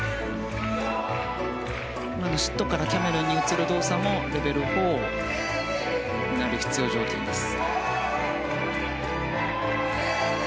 シットからキャメルに移る動作もレベル４が必要条件です。